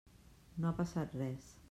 No ha passat res.